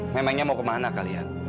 memangnya mau kemana kalian